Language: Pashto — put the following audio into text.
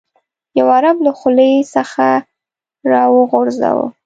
یو عرب له خولې څخه راوغورځاوه.